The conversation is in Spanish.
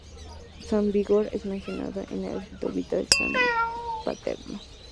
San Vigor es mencionado en el escrito "vita" de San Paterno.